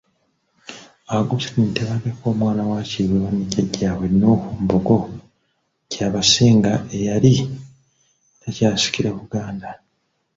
Augustine Tebandeke omwana wa Kiweewa ne jjaajjaabwe Noho Mbogo Kyabasinga eyali takyasikira Buganda.